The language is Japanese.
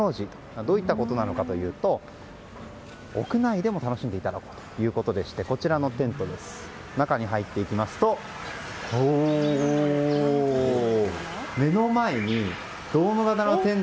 どういったことなのかというと屋内でも楽しんでいただこうということでしてこちらのテント中に入っていきますと目の前にドーム型のテント。